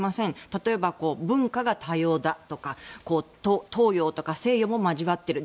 例えば文化が多様だとか東洋とか西洋も交わっている。